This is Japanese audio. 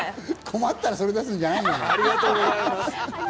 困ったらそれ出すんじゃねえよ！